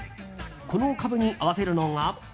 このカブに合わせるのが。